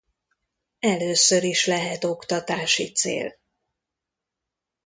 Először is lehet oktatási cél.